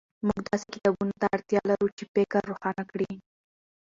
موږ داسې کتابونو ته اړتیا لرو چې فکر روښانه کړي.